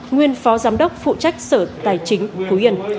nguyên phó giám đốc phụ trách sở tài chính phú yên